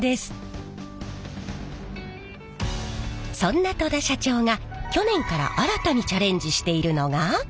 そんな戸田社長が去年から新たにチャレンジしているのが。